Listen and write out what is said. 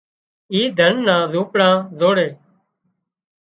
اي ڌنَ نا زونپڙا زوڙي